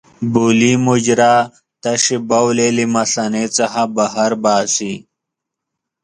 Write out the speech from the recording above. بولي مجرا تشې بولې له مثانې څخه بهر باسي.